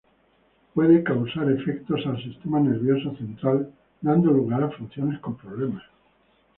Puede causar efectos al sistema nervioso central, dando lugar a funciones con problemas.